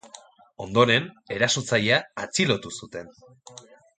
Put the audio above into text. Ondoren erasotzailea atxilotu zuten.